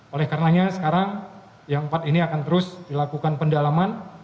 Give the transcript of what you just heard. oleh karenanya sekarang yang empat ini akan terus dilakukan pendalaman